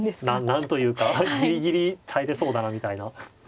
何というかギリギリ耐えれそうだなみたいな。